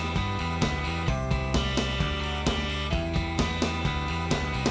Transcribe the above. ผมอยากเป็นผู้งาน